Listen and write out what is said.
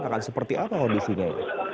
akan seperti apa obisinya